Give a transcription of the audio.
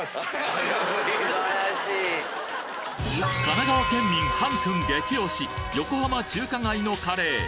神奈川県民ＨＡＮ−ＫＵＮ激推し横浜中華街のカレー